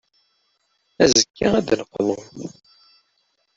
Azekka, ad d-neqḍu.